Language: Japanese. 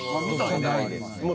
ないですね。